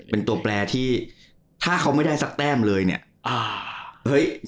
เป็นตัวแปลที่ถ้าเขาไม่ได้สักแต้มเลยเนี่ยอ่าเฮ้ย